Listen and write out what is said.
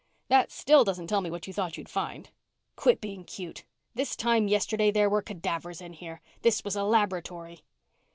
"That still doesn't tell me what you thought you'd find." "Quit being cute. This time yesterday there were cadavers in here. This was a laboratory!"